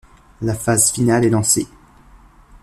La phase finale est lancée.